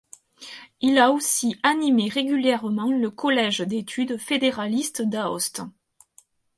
Il a aussi animé régulièrement le Collège d'Études Fédéralistes d'Aoste.